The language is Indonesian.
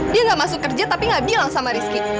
dia gak masuk kerja tapi nggak bilang sama rizky